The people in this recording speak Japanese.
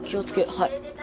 はい。